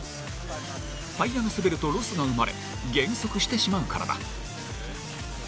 タイヤが滑るとロスが生まれ減速してしまうからだ。